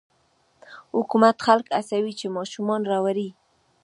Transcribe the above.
حکومت خلک هڅوي چې ماشومان راوړي.